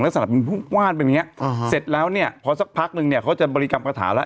ลักษณะมันพุ่งกว้านไปอย่างเงี้เสร็จแล้วเนี่ยพอสักพักนึงเนี่ยเขาจะบริกรรมคาถาแล้ว